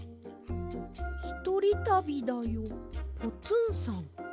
「ひとりたびだよポツンさん」。